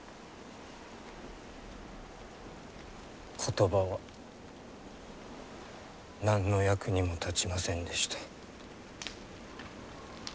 言葉は何の役にも立ちませんでした。